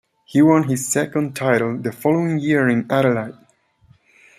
He won his second title the following year in Adelaide.